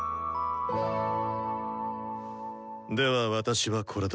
では私はこれで。